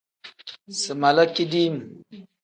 Si mala kidim.